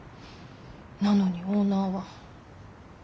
なのにオーナーは。